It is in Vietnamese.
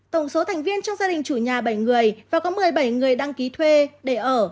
tổng số thành viên trong gia đình chủ nhà bảy người và có một mươi bảy người đăng ký thuê để ở